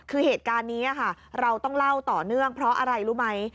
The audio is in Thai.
คือเหตุการณ์นี้ค่ะเราต้องเล่าต่อเนื่องเพราะอะไรรู้ไหม